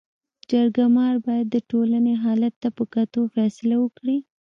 جرګه مار باید د ټولني حالت ته په کتو فيصله وکړي.